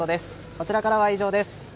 こちらからは以上です。